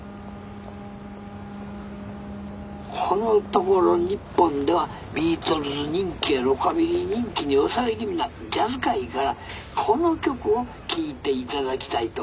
「このところ日本ではビートルズ人気やロカビリー人気に押され気味なジャズ界からこの曲を聴いていただきたいと思います。